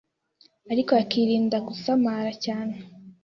ariko akirinda gusamara cyane